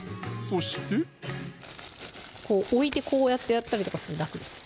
そして置いてこうやってやったりとかすると楽です